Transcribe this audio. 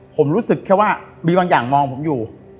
ผมรู้สึกแค่ว่ามีบางอย่างมองผมอยู่